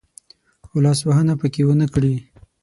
او لاس وهنه پکښې ونه کړي.